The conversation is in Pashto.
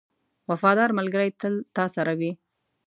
• وفادار ملګری تل تا سره وي.